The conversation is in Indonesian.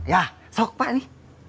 yah sok pak ini